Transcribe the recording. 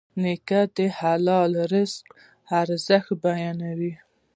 نیکه د حلال رزق ارزښت بیانوي.